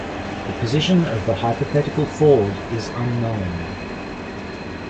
The position of the hypothetical ford is unknown.